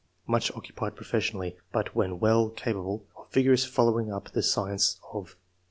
Much occupied professionally, but when well, capable of vigorously following up the science of